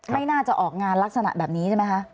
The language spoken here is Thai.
ไม่น่าจะออกงานลักษณะแบบนี้ใช่ไหมคะ